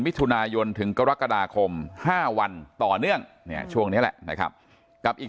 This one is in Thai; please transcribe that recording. มิถุนายนถึงกรกฎาคม๕วันต่อเนื่องเนี่ยช่วงนี้แหละนะครับกับอีก